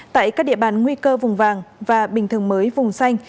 tại các địa bàn nguy cơ vùng vàng và bình thường mới vùng xanh